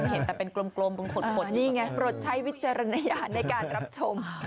เห็นแต่เป็นกลมตรงขดนี่ไงปลดใช้วิจารณญาณในการรับชม